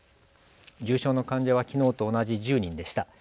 重症の患者はきのうと同じ１０人でした。